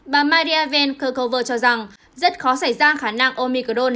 bà maria van kerkhover cho rằng rất khó xảy ra khả năng omicron